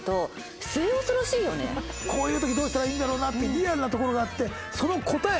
こういう時どうしたらいいんだろうなってリアルなところがあってその答え